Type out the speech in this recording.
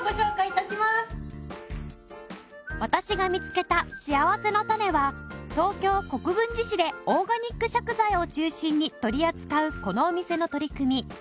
私が見つけたしあわせのたねは東京国分寺市でオーガニック食材を中心に取り扱うこのお店の取り組み